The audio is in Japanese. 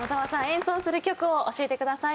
演奏する曲を教えてください。